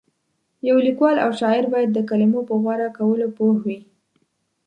یو لیکوال او شاعر باید د کلمو په غوره کولو پوه وي.